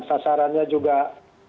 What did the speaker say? sasarannya juga berbeda